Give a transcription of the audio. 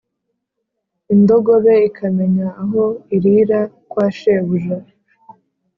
indogobe ikamenya aho irira kwa shebuja,